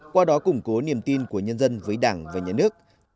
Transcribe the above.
qua đó củng cố niềm tin của nhân dân với đảng và nhà nước